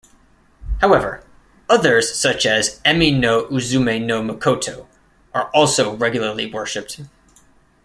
However, others such as Ame-no-Uzume-no-Mikoto are also regularly worshipped.